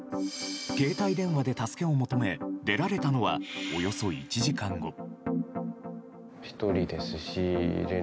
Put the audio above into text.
携帯電話で助けを求め出られたのは、およそ１時間後。